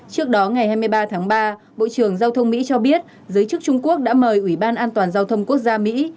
trước đó ngày hai mươi ba tháng ba bộ trưởng giao thông mỹ cho biết giới chức trung quốc đã mời ủy ban an toàn giao thông quốc gia mỹ